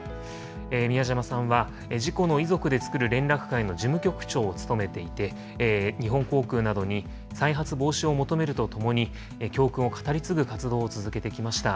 美谷島さんは、事故の遺族で作る連絡会の事務局長を務めていて、日本航空などに再発防止を求めるとともに、教訓を語り継ぐ活動を続けてきました。